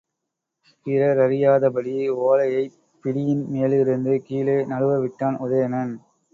பிறரறியாதபடி ஒலையைப் பிடியின் மேலிருந்து கீழே நழுவவிட்டான் உதயணன்.